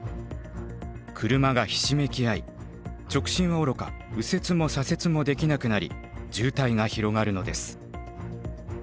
車がひしめき合い直進はおろか右折も左折もできなくなり渋滞が広がるのです。